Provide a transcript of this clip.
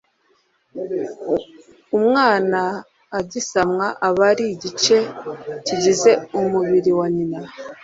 umwana agisamwa aba ari igice kigize umubiri wa nyina